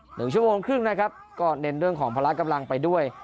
หนึ่งชั่วโมงครึ่งนะครับก็เน้นเรื่องของพละกำลังไปด้วย